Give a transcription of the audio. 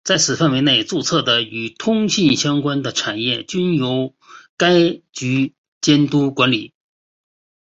在此范围内注册的与通信相关的产业均由该局监督管理。